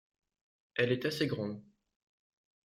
Elle est assez grande.